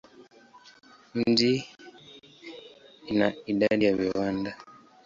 Mji ina idadi ya viwanda.